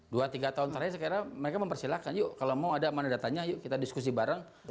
dua tiga tahun terakhir saya kira mereka mempersilahkan yuk kalau mau ada mana datanya yuk kita diskusi bareng